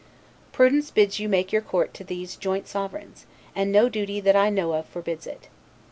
Prudence bids you make your court to these joint sovereigns; and no duty, that I know of, forbids it.